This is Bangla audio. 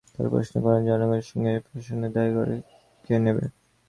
তাঁরা প্রশ্ন করেন, জনগণের সঙ্গে এই প্রহসনের দায় কে নেবে?